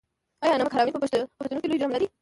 آیا نمک حرامي په پښتنو کې لوی جرم نه دی؟